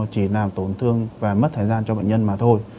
chỉ làm tổn thương và mất thời gian cho bệnh nhân mà thôi